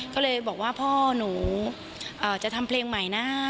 ก็เลยบอกว่าพ่อหนูจะทำเพลงใหม่นะ